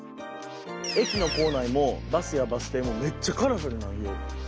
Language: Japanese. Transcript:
駅の構内もバスやバス停もめっちゃカラフルなんよ。